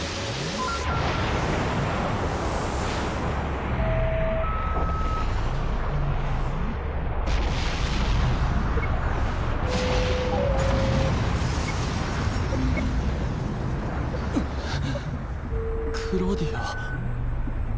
あっクローディア。